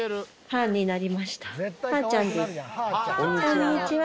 こんにちは。